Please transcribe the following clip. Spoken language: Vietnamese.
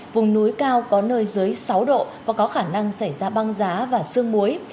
vùng núi cao có nơi dưới sáu độ và có khả năng xảy ra băng giá và sương muối